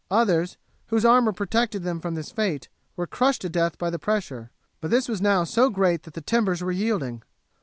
Others, whose armour protected them from this fate, were crushed to death by the pressure; but this was now so great that the timbers were yielding.